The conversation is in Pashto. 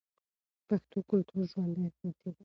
پښتو کلتور ژوندی ساتي.